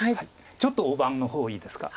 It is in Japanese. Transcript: ちょっと大盤の方いいですか。